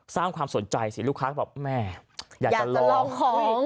สร้างความสนใจสิลูกค้าก็บอกแม่อยากจะลองลองของ